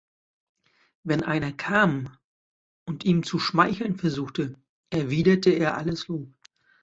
Wenn einer kam und ihm zu schmeicheln versuchte, erwiderte er alles Lob.